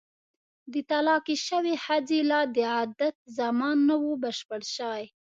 د طلاقې شوې ښځې لا د عدت زمان نه وو بشپړ شوی.